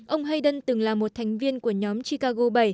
ông heidern từng là một thành viên của nhóm chicago bảy